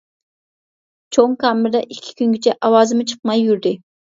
چوڭ كامېردا ئىككى كۈنگىچە ئاۋازىمۇ چىقماي يۈردى.